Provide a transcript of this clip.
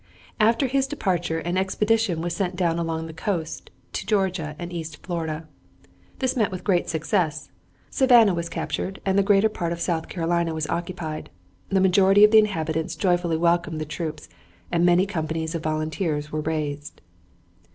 After his departure an expedition was sent down along the coast to Georgia and East Florida. This met with great success. Savannah was captured and the greater part of South Carolina was occupied. The majority of the inhabitants joyfully welcomed the troops and many companies of volunteers were raised.